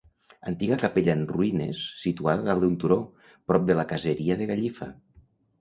Antiga capella en ruïnes, situada dalt d'un turó, prop de la caseria de Gallifa.